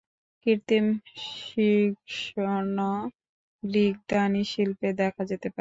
কৃত্রিম শিশ্ন গ্রিক দানি শিল্পে দেখা যেতে পারে।